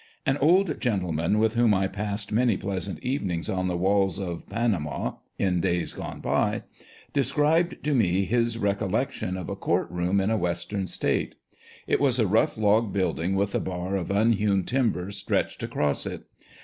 An old gentleman, with whom I passed many pleasant evenings on the Walls of Panama in days gone by, described to me his recol lection of a court room in a western state. It was a rough log building with a bar of unhewn timber stretched across it.